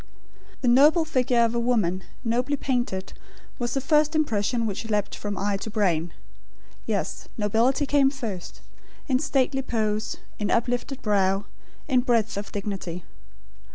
The noble figure of a woman, nobly painted, was the first impression which leapt from eye to brain. Yes, nobility came first, in stately pose, in uplifted brow, in breadth of dignity.